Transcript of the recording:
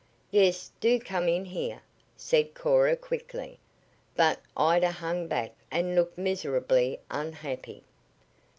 "Yes, do come in here," said Cora quickly, but Ida hung back and looked miserably unhappy.